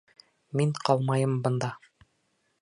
Мин ҡалмайым бында.